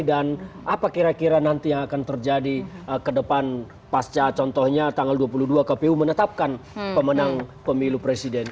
dan apa kira kira nanti yang akan terjadi ke depan pasca contohnya tanggal dua puluh dua kpu menetapkan pemenang pemilu presiden